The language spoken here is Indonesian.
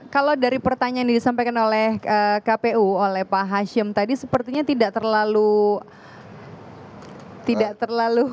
kalau dari pertanyaan yang disampaikan oleh kpu oleh pak hashim tadi sepertinya tidak terlalu